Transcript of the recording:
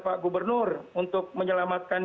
pak gubernur untuk menyelamatkan